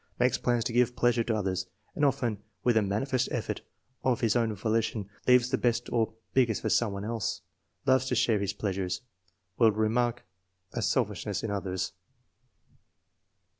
Makes plans to give pleasure to others, and often, with a manifest effort, of his own volition leaves the best or biggest for some one else. Loves to share his pleasures. Will remark at selfish ness in others."